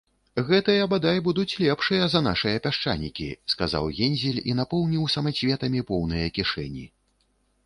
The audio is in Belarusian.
- Гэтыя, бадай, будуць лепшыя за нашыя пясчанікі, - сказаў Гензель і напоўніў самацветамі поўныя кішэні